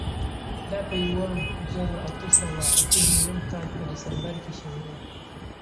دا په یوه زرو اتو سوو اته نوېم کال په ډسمبر کې شوې وه.